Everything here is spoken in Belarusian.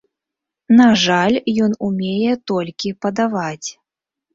На жаль, ён умее толькі падаваць.